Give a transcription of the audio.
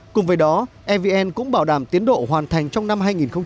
cùng với đó evn cũng bảo đảm tiến độ hoàn thành trong năm hai nghìn một mươi bảy